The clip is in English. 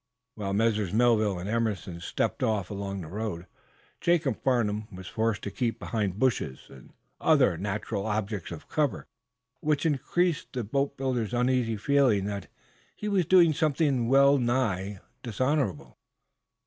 While Messrs. Melville and Emerson stepped off along the road, Jacob Farnum was forced to keep behind bushes and other natural objects of cover, which increased the boatbuilder's uneasy feeling that he was, doing something well nigh dishonorable.